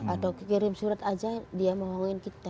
atau kirim surat saja dia ngomongin kita